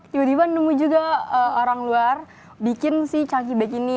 tiba tiba nemu juga orang luar bikin si chunky bag ini